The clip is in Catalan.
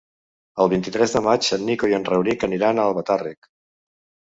El vint-i-tres de maig en Nico i en Rauric aniran a Albatàrrec.